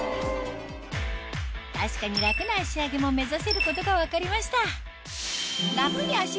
確かに楽な足上げも目指せることが分かりました